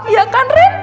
iya kan ren